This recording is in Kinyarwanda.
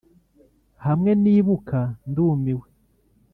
hamwe nibuka ndumiwe.